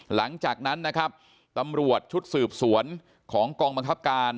หลังจากนั้นนะครับตำรวจชุดสืบสวนของกองบังคับการ